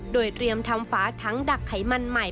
โดยเตรียมทำฝาถังดักไขมันใหม่